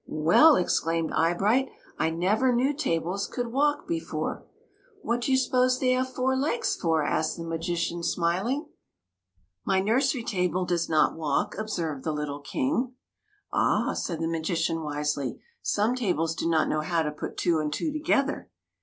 " Well !" exclaimed Eyebright ;'' I never knew tables could walk, before !"" What do you suppose they have four legs for?" asked the magician, smiling. " My nursery table does not walk," observed the little King. " Ah," said the magician, wisely, '' some tables do not know how to put two and two together.